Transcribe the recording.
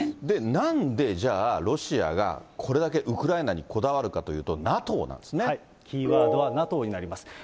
で、なんでじゃあ、ロシアがこれだけウクライナにこだわるかというと、キーワードはＮＡＴＯになります。